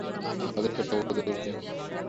আজই সেটা অবগত করেছে।